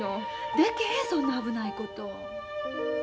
でけへんそんな危ないこと。